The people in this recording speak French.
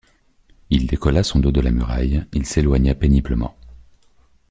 Il décolla son dos de la muraille, il s’éloigna péniblement.